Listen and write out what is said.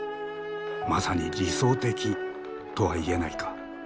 「まさに理想的」とは言えないか？